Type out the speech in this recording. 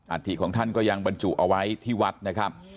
ฐิของท่านก็ยังบรรจุเอาไว้ที่วัดนะครับ